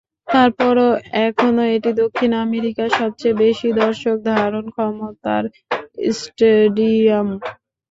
তার পরও এখনো এটি দক্ষিণ আমেরিকার সবচেয়ে বেশি দর্শক ধারণক্ষমতার স্টেডিয়াম।